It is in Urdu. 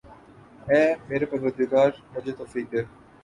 اے میرے پروردگا مجھے توفیق دے